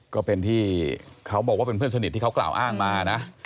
ก็เป็นที่เขาบอกว่าเป็นเพื่อนสนิทที่เขากล่าวอ้างมานะ